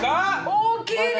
大きいね。